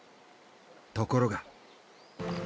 ところが。